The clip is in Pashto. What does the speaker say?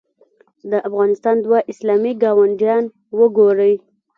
د افغانستان دوه اسلامي ګاونډیان وګورئ.